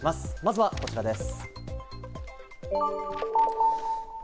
まずはこちらです。